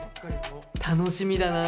楽しみだな。